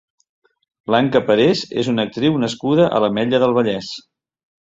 Blanca Parés és una actriu nascuda a l'Ametlla del Vallès.